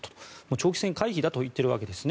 長期戦回避だと言っているわけですね。